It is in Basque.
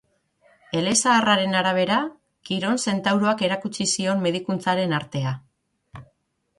Elezaharraren arabera, Kiron zentauroak erakutsi zion medikuntzaren artea.